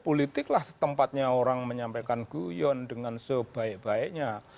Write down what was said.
politiklah tempatnya orang menyampaikan guyon dengan sebaik baiknya